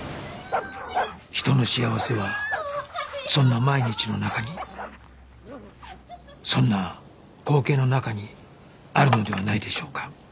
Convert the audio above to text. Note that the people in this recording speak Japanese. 人の幸せはそんな毎日の中にそんな光景の中にあるのではないでしょうか